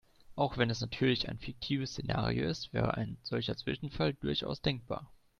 Auch wenn es natürlich ein fiktives Szenario ist, wäre ein solcher Zwischenfall durchaus denkbar.